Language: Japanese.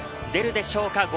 出るでしょうか？